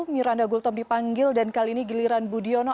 miranda gultom dipanggil dan kali ini giliran budiono